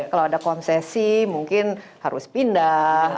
kalau ada konsesi mungkin harus pindah